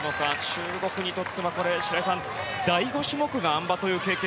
中国にとっては、白井さん第５種目があん馬という経験